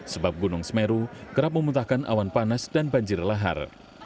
sebab gunung semeru kerap memuntahkan awan panas dan banjir lahar